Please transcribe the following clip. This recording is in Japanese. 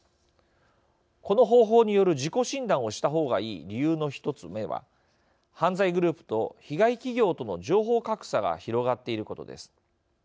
この方法による自己診断をした方がいい理由の１つ目は、犯罪グループと被害企業との情報格差が広がっていることです。